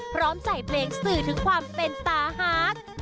พร้อมใส่เพลงสื่อถึงความเป็นตาฮาร์ด